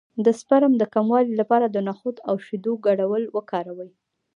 د سپرم د کموالي لپاره د نخود او شیدو ګډول وکاروئ